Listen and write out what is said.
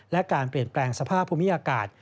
และการเปลี่ยนแปลงสภาพภูมิอากาศ